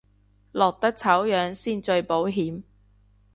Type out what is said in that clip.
落得醜樣先最保險